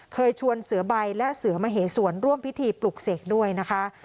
เคยชวนเสือใบและเสือมเหสวนร่วมพิธีปลุกเสกด้วยนะคะ